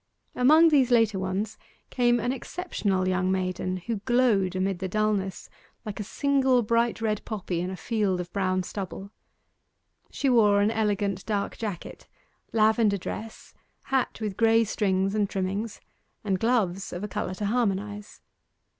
Among these later ones came an exceptional young maiden who glowed amid the dulness like a single bright red poppy in a field of brown stubble. She wore an elegant dark jacket, lavender dress, hat with grey strings and trimmings, and gloves of a colour to harmonize.